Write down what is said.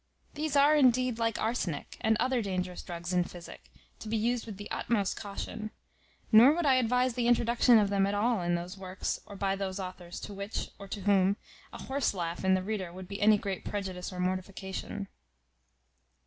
These are indeed, like arsenic, and other dangerous drugs in physic, to be used with the utmost caution; nor would I advise the introduction of them at all in those works, or by those authors, to which, or to whom, a horse laugh in the reader would be any great prejudice or mortification.